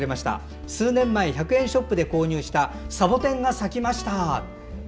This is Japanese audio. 数年前に１００円ショップで購入したサボテンが咲きました。